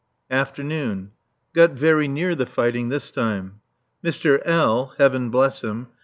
[Afternoon.] Got very near the fighting this time. Mr. L. (Heaven bless him!)